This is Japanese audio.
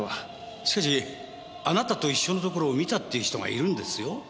しかしあなたと一緒のところを見たっていう人がいるんですよ。